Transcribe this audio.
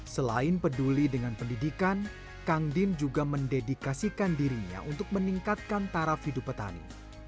selain peduli dengan pendidikan kang din juga mendedikasikan dirinya untuk meningkatkan taraf hidup petani